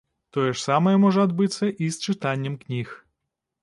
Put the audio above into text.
Тое ж самае можа адбыцца і з чытаннем кніг.